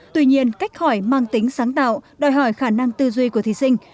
tuy nhiên cách hỏi mang tính sáng tạo đòi hỏi khả năng tư duy của thí sinh